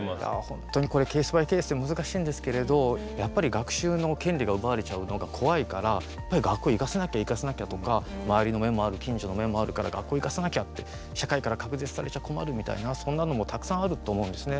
本当にケースバイケースで難しいんですけれどやっぱり学習の権利が奪われちゃうのが怖いから学校、行かせなきゃとか周りの目も近所の目もあるから学校、行かせなきゃって社会から隔絶されちゃ困るみたいな、そんなのもたくさんあると思うんですね。